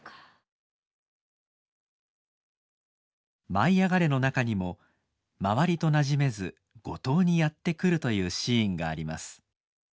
「舞いあがれ！」の中にも周りとなじめず五島にやって来るというシーンがあります。